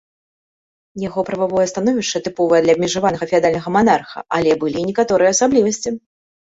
Яго прававое становішча тыповае для абмежаванага феадальнага манарха, але былі і некаторыя асаблівасці.